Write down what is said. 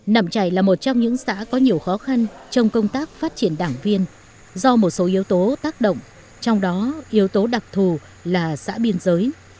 nẩm chảy là một trong những xã có nhiều khó khăn trong công tác phát triển đảng viên do một số yếu tố tác động trong đó yếu tố đặc thù là xã biên giới